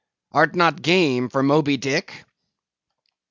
art not game for Moby Dick?"